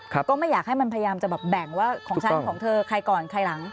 ก็ไม่อยากให้มันพยายามจะแบบแบ่งว่าของฉันของเธอใครก่อนใครหลัง